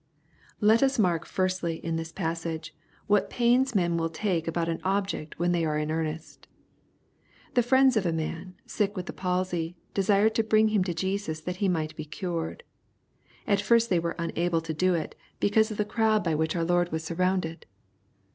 Let us mark, firstly, in this passage, what pains men will take about an ol^fect when they are in earnest. The friends of a man, sick with the palsy, desired to bring him to Jesus that he might be cured. At first they were unable to do it, because of the crowd by which our Lord 142 EXPOSITOBT THOUGHTS. was surrounded.